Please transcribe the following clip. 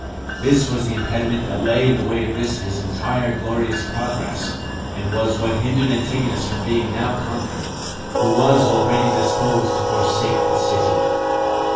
This was the impediment that lay in the way of this his entire glorious progress, and was what hindered Antigonus from being now conquered, who was already disposed to forsake the city.